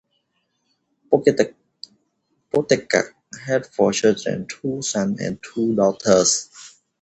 Pottekkatt had four children- two sons and two daughters.